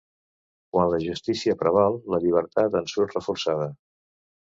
Quan la justícia preval, la llibertat en surt reforçada.